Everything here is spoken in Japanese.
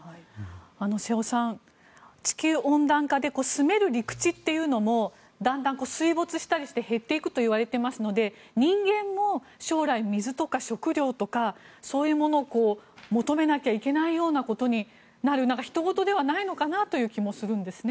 瀬尾さん、地球温暖化で住める陸地というのもだんだん水没したりして減っていくといわれていますので人間も将来、水とか食糧とかそういうものを求めなければいけないことになるひとごとではないのかなという気もするんですね。